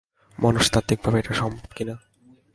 মনস্তাত্ত্বিকভাবে এটা সম্ভব কিনা।